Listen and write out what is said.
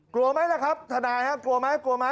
กลัวไหมนะครับธนายครับกลัวไหม